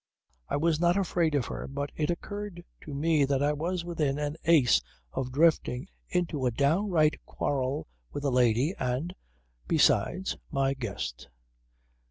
I was not afraid of her, but it occurred to me that I was within an ace of drifting into a downright quarrel with a lady and, besides, my guest.